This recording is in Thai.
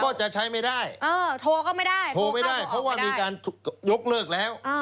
ก็จะใช้ไม่ได้เออโทรก็ไม่ได้โทรไม่ได้เพราะว่ามีการยกเลิกแล้ว